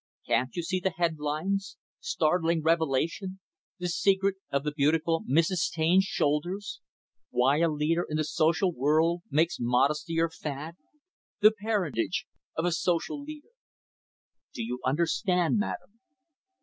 Can't you see the headlines? 'Startling Revelation,' 'The Secret of the Beautiful Mrs. Taine's Shoulders,' 'Why a Leader in the Social World makes Modesty her Fad,' 'The Parentage of a Social Leader.' Do you understand, madam?